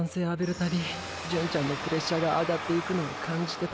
たび純ちゃんのプレッシャーが上がっていくのを感じてた。